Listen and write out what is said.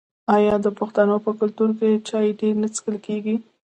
آیا د پښتنو په کلتور کې چای ډیر نه څښل کیږي؟